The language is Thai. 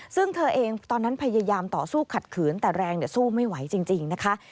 ซึ่งเธอเองตอนนั้นพยายามต่อสู้ขัดขืนแต่แรงสู้ไม่ไหวจริงนะคะ